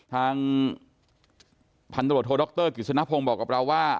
ทางพันตรวจโทรด็อกเตอร์กิจนพงศ์บอกกับเราว่า